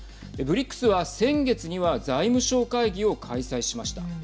ＢＲＩＣＳは、先月には財務相会議を開催しました。